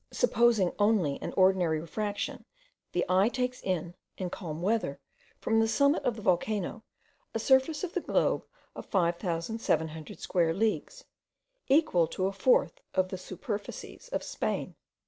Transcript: Supposing only an ordinary refraction, the eye takes in, in calm weather, from the summit of the volcano, a surface of the globe of 5700 square leagues, equal to a fourth of the superficies of Spain.